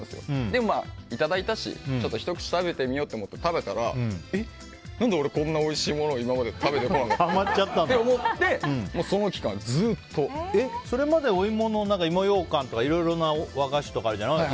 でも、いただいたしひと口食べてみようと思って食べたらえっ、何で俺こんなおいしいもの今まで食べてこなかったんだろうって思ってそれまでお芋の芋ようかんとかいろいろな芋を使った和菓子とかあるじゃない。